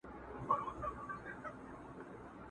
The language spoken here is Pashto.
دا د جنګ له اوره ستړي ته پر سمه لار روان کې٫